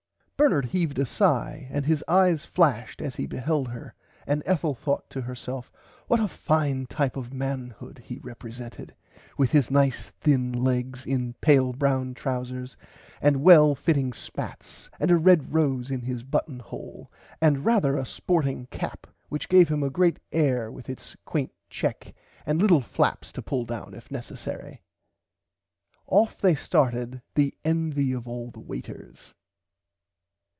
Bernard heaved a sigh and his eyes flashed as he beheld her and Ethel thorght to herself what a fine type of manhood he reprisented with his nice thin legs in pale broun trousers and well fitting spats and a red rose in his button hole and rarther a sporting cap which gave him a great air [Pg 90] with its quaint check and little flaps to pull down if necesarry. Off they started the envy of all the waiters.